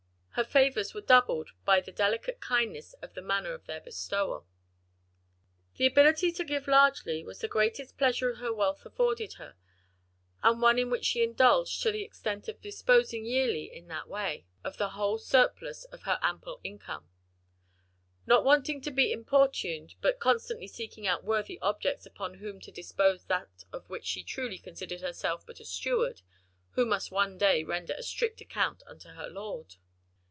Her favors were doubled by the delicate kindness of the manner of their bestowal. The ability to give largely was the greatest pleasure her wealth afforded her, and one in which she indulged to the extent of disposing yearly in that way, of the whole surplus of her ample income; not waiting to be importuned, but constantly seeking out worthy objects upon whom to bestow that of which she truly considered herself but a steward who must one day render a strict account unto her Lord.